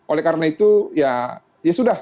oleh karena itu ya sudah